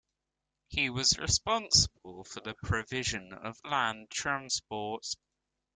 He is responsible for the provision of land transport.